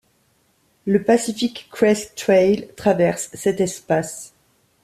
Le Pacific Crest Trail traverse cet espace.